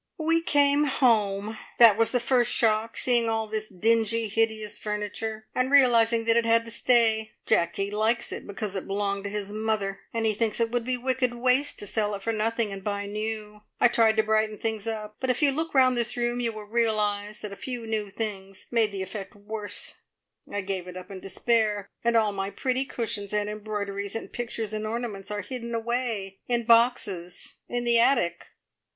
"We came home! That was the first shock, seeing all this dingy, hideous furniture, and realising that it had to stay. Jacky likes it because it belonged to his mother, and he thinks it would be wicked waste to sell it for nothing, and buy new. I tried to brighten things up, but if you look round this room you will realise that a few new things made the effect worse! I gave it up in despair, and all my pretty cushions and embroideries, and pictures and ornaments are hidden away in boxes in the attic."